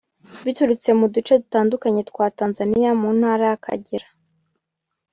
Baturutse mu duce dutandukanye twa Tanzaniya mu ntara ya Kagera